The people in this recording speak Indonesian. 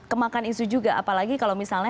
kemakan isu juga apalagi kalau misalnya